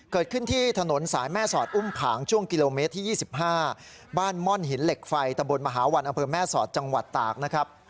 เกิดขึ้นที่ถนนสายแม่สอดอุ้มผางช่วงกิโลเมตรที่๒๕บ้านม่อนหินเหล็กไฟตะบนมหาวันอำเภอแม่สอดจังหวัดตากนะครับ